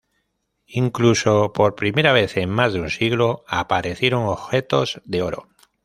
Incluso, por primera vez en más de un siglo, aparecieron objetos de oro.